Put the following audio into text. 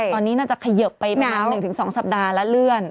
ตอนนี้น่าจะเขยิบไปประมาณ๑๒สัปดาห์แล้วเลื่อน